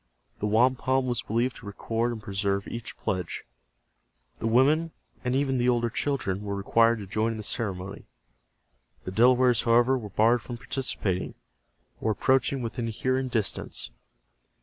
The wampum was believed to record and preserve each pledge. The women and even the older children were required to join in the ceremony. The Delawares, however, were barred from participating, or approaching within hearing distance.